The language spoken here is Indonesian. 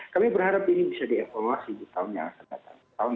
kami berharap ini bisa dievaluasi di tahun yang akan datang